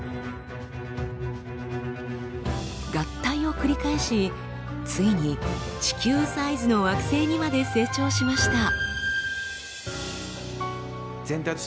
合体を繰り返しついに地球サイズの惑星にまで成長しました。